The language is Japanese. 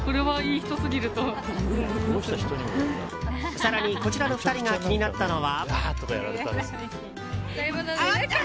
更に、こちらの２人が気になったのは。